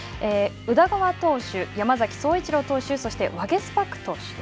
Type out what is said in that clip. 宇田川投手、山崎颯一郎投手、そしてワゲスパ